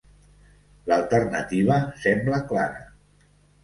L'alternativa sembla clara.